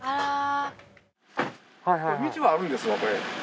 道はあるんですわこれ。